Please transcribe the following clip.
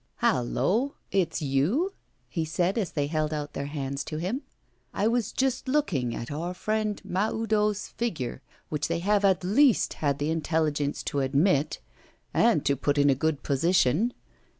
'Hallo, it's you?' he said, as they held out their hands to him. 'I was just looking at our friend Mahoudeau's figure, which they have at least had the intelligence to admit, and to put in a good position.